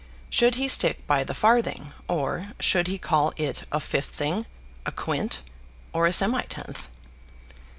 Should he stick by the farthing; or should he call it a fifthing, a quint, or a semitenth?